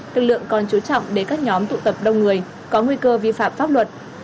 lực lượng còn chú trọng đến các nhóm tụ tập đông người có nguy cơ vi phạm pháp luật